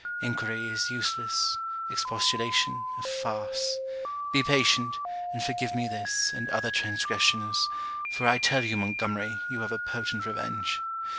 Enquiry is useless, expostulation, a farce. Be patient, and forgive me this, and other transgressions, for I tell you, Montgomery, you have a potent revenge.